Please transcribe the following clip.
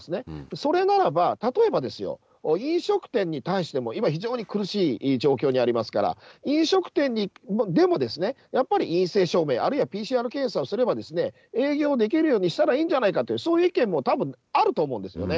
それならば、例えばですよ、飲食店に対しても、今非常に苦しい状況にありますから、飲食店でも、やっぱり陰性証明、あるいはＰＣＲ検査をすれば、営業できるようにしたらいいんじゃないかと、そういう意見も多分あると思うんですよね。